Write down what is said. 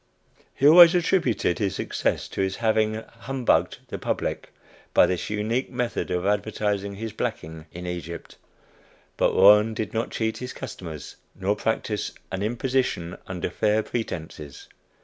He always attributed his success to his having "humbugged" the public by this unique method of advertising his blacking in Egypt! But Warren did not cheat his customers, nor practice "an imposition under fair pretences."